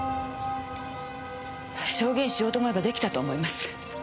証言しようと思えば出来たと思います。